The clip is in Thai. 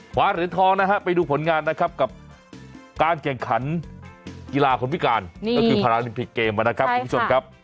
เหรียญทองนะฮะไปดูผลงานนะครับกับการแข่งขันกีฬาคนพิการก็คือพาราลิมปิกเกมนะครับคุณผู้ชมครับ